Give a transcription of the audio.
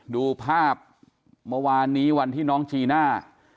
ดูภาพเมื่อวานนี้วันที่น้องจีน่า